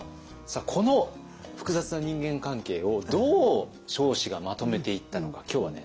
この複雑な人間関係をどう彰子がまとめていったのか今日はね